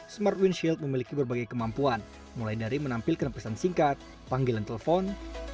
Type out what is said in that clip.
smart windshill memiliki berbagai kemampuan mulai dari menampilkan pesan singkat panggilan telepon